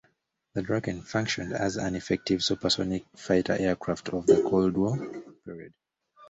The Draken functioned as an effective supersonic fighter aircraft of the Cold War period.